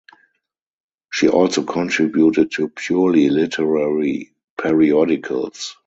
She also contributed to purely literary periodicals.